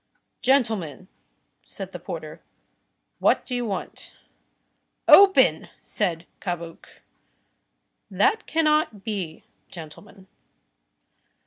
"Gentlemen," said the porter, "what do you want?" "Open!" said Cabuc. "That cannot be, gentlemen."